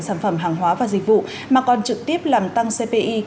sản phẩm hàng hóa và dịch vụ mà còn trực tiếp làm tăng cpi